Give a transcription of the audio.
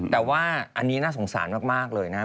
แต่ว่าอันนี้น่าสงสารมากเลยนะครับ